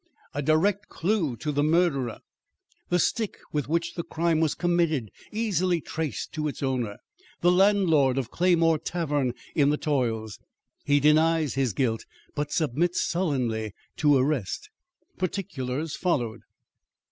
A DIRECT CLUE TO THE MURDERER The Stick With Which the Crime was Committed Easily Traced to Its Owner. The Landlord of Claymore Tavern in the Toils. He Denies His Guilt But Submits Sullenly to Arrest. Particulars followed.